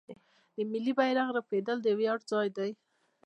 د ملي بیرغ رپیدل د ویاړ ځای دی.